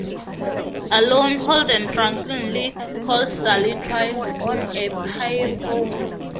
Alone, Holden drunkenly calls Sally twice on a payphone.